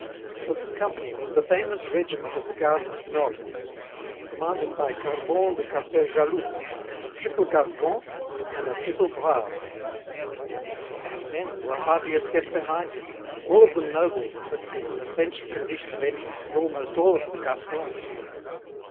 For this company was the famous regiment of the "garde nobles," commanded by Carbon de Castel Jaloux, a "triple Gascon" and a "triple brave." And his men were hardly a step behind him, all of them nobles that was an essential condition of entrance and almost all of them Gascons.